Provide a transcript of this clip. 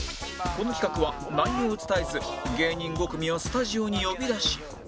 この企画は内容を伝えず芸人５組をスタジオに呼び出し